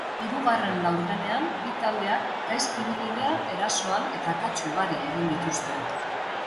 Hirugarren laurdenean bi taldeak gaizki ibili dira erasoan eta akats ugari egin dituzte.